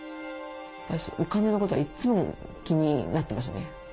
お金のことはいつも気になってましたね。